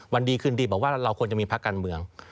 วันดีคืนดีบอกว่าเราควรจะมีพักการเมือง